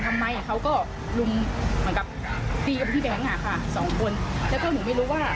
ผมไม่รู้เลย